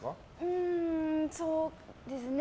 うーんそうですね。